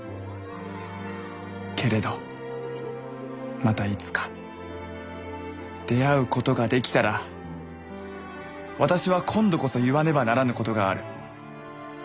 けれどまたいつか出会うことができたら私は今度こそ言わねばならぬことがある。